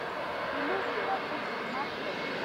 پیلوټ د وطن خدمت کوي.